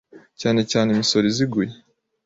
cyane cyane imisoro iziguye